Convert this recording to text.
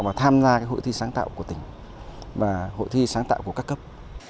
và tham gia hội thi sáng tạo của tỉnh và hội thi sáng tạo của các cấp